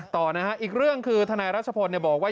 ต่อนะฮะอีกเรื่องคือทนายรัชพลบอกว่า